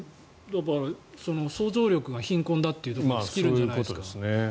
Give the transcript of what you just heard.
想像力が貧困だということに尽きるんじゃないですか。